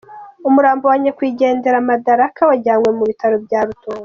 Umurambo wa nyakwigendera Madaraka wajyanywe mu bitaro bya Rutongo.